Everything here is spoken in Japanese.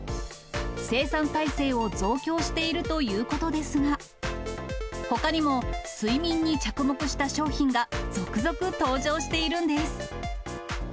生産体制を増強しているということですが、ほかにも、睡眠に着目した商品が、続々登場しているんです。